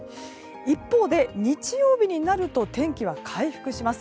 一方で日曜日になると天気は回復します。